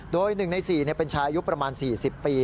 โดย๑ใน๔เป็นชายอายุประมาณ๔๐ปี